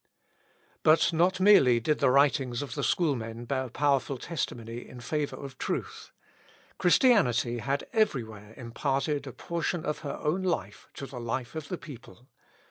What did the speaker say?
But not merely did the writings of the schoolmen bear powerful testimony in favour of truth. Christianity had everywhere imparted a portion of her own life to the life of the people.